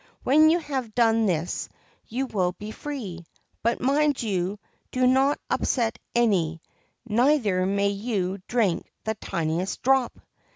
When you have done this you will be free. But mind you do not upset any; neither may you drink the tiniest drop.